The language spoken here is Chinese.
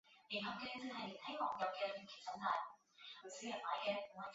合约规定拜占庭每年向保加利亚进贡。